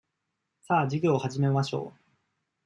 さあ、授業を始めましょう。